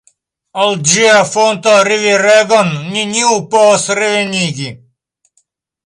Al ĝia fonto riveregon neniu povas revenigi.